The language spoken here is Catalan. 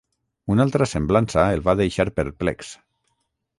Una altra semblança el va deixar perplex.